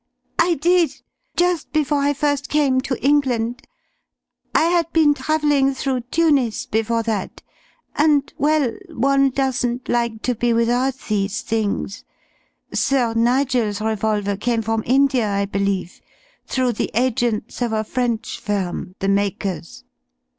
"I did. Just before I first came to England. I had been travelling through Tunis before that, and well, one doesn't like to be without these things. Sir Nigel's revolver came from India, I believe through the agents of a French firm, the makers."